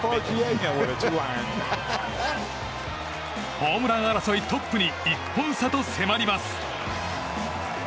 ホームラン争いトップに１本差と迫ります。